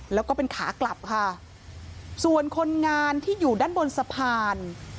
แล้วก็เป็นขากลับค่ะส่วนคนงานที่อยู่ด้านบนสะพาน